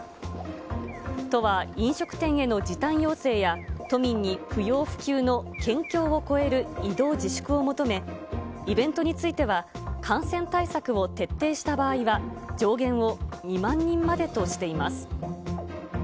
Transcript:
都は、飲食店への時短要請や都民に不要不急の県境を越える移動自粛を求め、イベントについては、感染対策を徹底した場合は、上限を２万人までとしています。